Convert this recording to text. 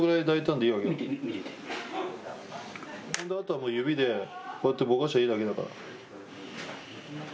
それであとはもう指で、こうやってぼかしゃいいだけだから。